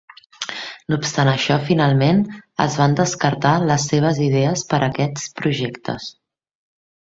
No obstant això, finalment es van descartar les seves idees per a aquests projectes.